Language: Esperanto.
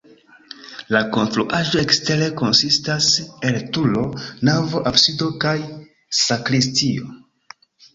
La konstruaĵo ekstere konsistas el turo, navo, absido kaj sakristio.